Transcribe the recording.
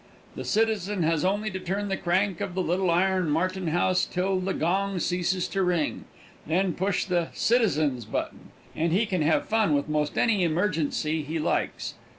The citizen has only to turn the crank of the little iron marten house till the gong ceases to ring, then push on the "Citizens' button," and he can have fun with most any emergency he likes.